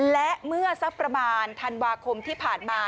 และเมื่อสักประมาณธันวาคมที่ผ่านมา